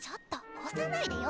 押さないでよ。